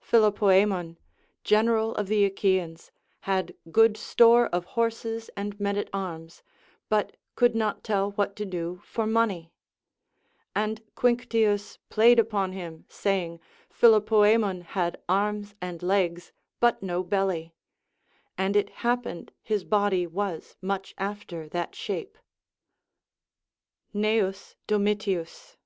Phil opoemen, general of the Achaeans, had good store of horses and men at arms, but could not tell what to do for money ; and Quinctius played upon him, saying, Philopoe men had arms and legs, but no belly ; and it happened his body was much after that shape. Cneus Domitius.